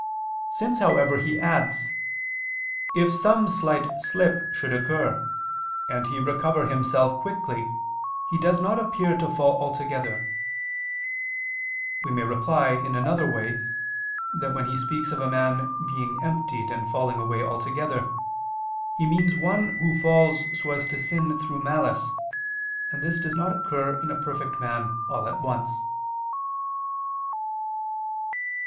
Since, however, he adds: "If some slight slip should occur, and he recover himself quickly he does not appear to fall altogether," we may reply in another way, that when he speaks of a man being emptied and falling away altogether, he means one who falls so as to sin through malice; and this does not occur in a perfect man all at once.